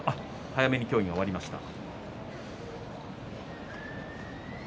早めに協議が終わりました。